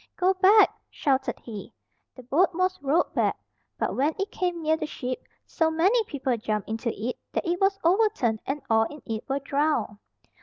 "Go back!" shouted he. The boat was rowed back, but when it came near the ship, so many people jumped into it, that it was overturned and all in it were drowned.